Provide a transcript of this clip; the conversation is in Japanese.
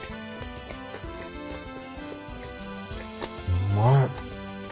うまい。